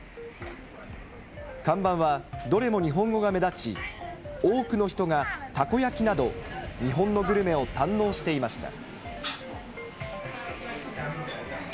看板はどれも日本語が目立ち、多くの人がたこ焼きなど、日本のグルメを堪能していました。